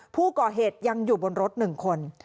เพราะเหตุยังอยู่บนรถหนึ่งคน